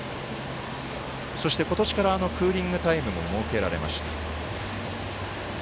そして、今年からクーリングタイムも設けられました。